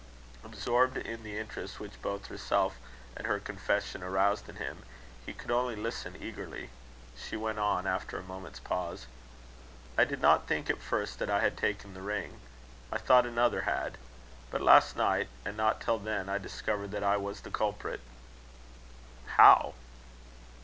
Absorbed in the interest which both herself and her confession aroused in him, he could only listen eagerly. She went on, after a moment's pause: "I did not think at first that I had taken the ring. I thought another had. But last night, and not till then, I discovered that I was the culprit." "How?"